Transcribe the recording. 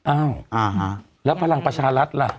อ้าวแล้วพลังประชารัฐล่ะ